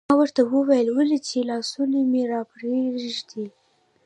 ما ورته وویل: ولې؟ چې لاسونه مې راپرېږدي.